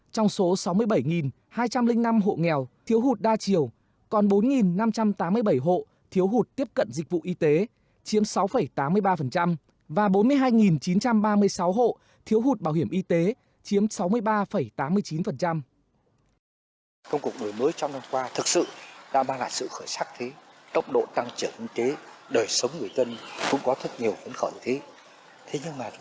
trong số sáu mươi bảy hai trăm linh năm hộ nghèo thiếu hụt đa chiều còn bốn năm trăm tám mươi bảy hộ thiếu hụt tiếp cận dịch vụ y tế chiếm sáu tám mươi ba